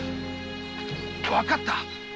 わかった。